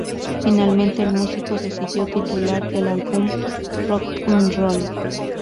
Finalmente, el músico decidió titular el álbum "Rock 'N' Roll".